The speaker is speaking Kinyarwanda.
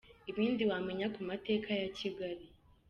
Ibindi wamenya ku mateka ya Kigali.